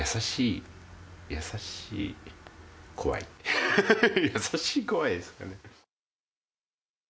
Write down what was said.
ハハハハ優しい怖いですかね。